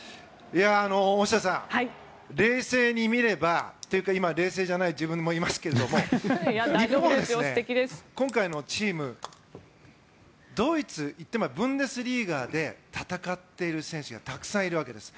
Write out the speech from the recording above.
大下さん、冷静に見ればというか今冷静じゃない自分もいますけど日本は今回のチーム、ドイツ言ってみればブンデスリーガで戦っている選手がたくさんいるわけです。